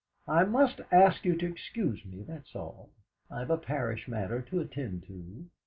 "I must ask you to excuse me, that's all. I've a parish matter to attend to."